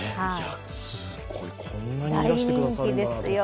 すごい、こんなにいらしてくださるんだと思って。